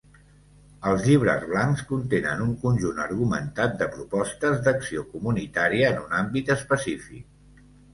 Els llibres blancs contenen un conjunt argumentat de propostes d'acció comunitària en un àmbit específic.